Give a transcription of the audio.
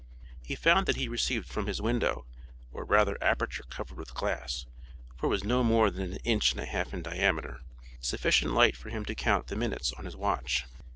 He found that he received from his window, or rather aperture covered with glass, for it was no more than an inch and a half in diameter, sufficient light for him to count the minutes on his watch.